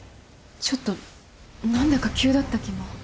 ちょっと何だか急だった気も。